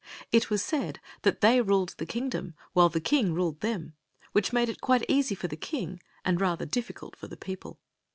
It was said that they ruled the kingdom while the king ruled them ; which made it quite easy for the king and rather difficult for the people.